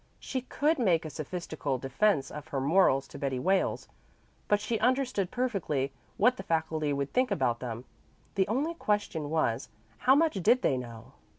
She could make a sophistical defence of her morals to Betty Wales, but she understood perfectly what the faculty would think about them. The only question was, how much did they know?